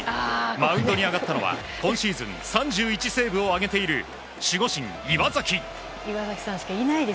マウンドに上がったのは今シーズン３１セーブを挙げている守護神・岩崎。